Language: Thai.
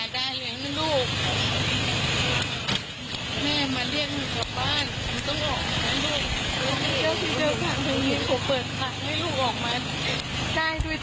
ต้องกลับบ้านนะลูกหนูออกมาได้เลยนะลูก